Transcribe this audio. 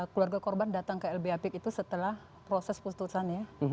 keluarga korban datang ke lbh apik itu setelah proses putusan ya